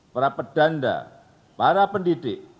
para pedanda para pendidik